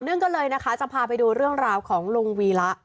กันเลยนะคะจะพาไปดูเรื่องราวของลุงวีระ